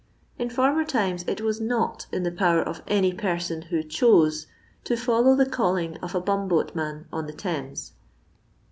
In former times it was not in the power of any person who chose to follow the calling of a bum boat man on the Thames.